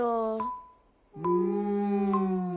うん。